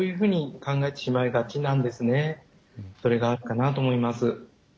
それがあるかなと思います。